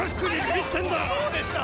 そうでした。